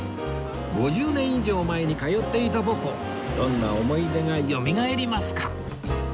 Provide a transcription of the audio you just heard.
５０年以上前に通っていた母校どんな思い出がよみがえりますか